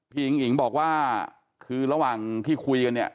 อิงอิ๋งบอกว่าคือระหว่างที่คุยกันเนี่ย